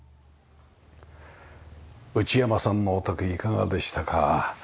内山さんのお宅いかがでしたか？